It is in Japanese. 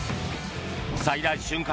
最大瞬間